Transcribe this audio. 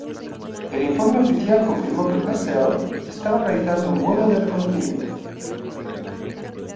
El informe oficial confirmó que el Gazelle estaba realizando un vuelo de reconocimiento.